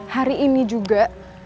hari ini juga